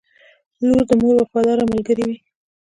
• لور د مور وفاداره ملګرې وي.